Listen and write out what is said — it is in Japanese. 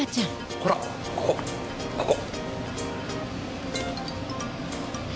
ほら、ここ、ここ。